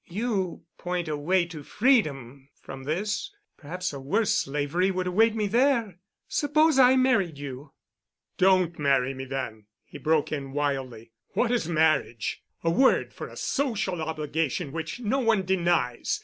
You point a way to freedom from this—perhaps a worse slavery would await me there. Suppose I married you——" "Don't marry me then," he broke in wildly. "What is marriage? A word for a social obligation which no one denies.